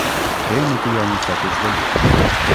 Què emetia un focus de llum?